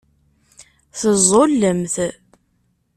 Teẓẓullemt.